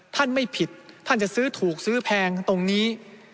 ท่านไม่ผิดท่านจะซื้อถูกซื้อแพงตรงนี้